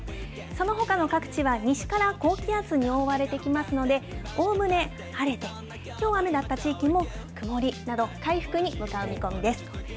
そのほかの各地は、西から高気圧に覆われてきますので、おおむね晴れて、きょう雨だった地域も曇りなど、回復に向かう見込みです。